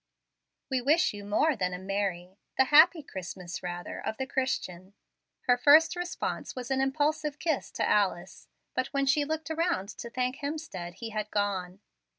"We wish you more than a 'merry' the happy Christmas, rather, of the Christian." Her first response was an impulsive kiss to Alice. But when she looked around to thank Hemstead he had gone.